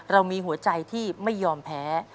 เรามีหัวใจที่ไม่ยอมแพ้